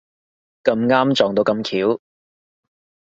咁啱撞到咁巧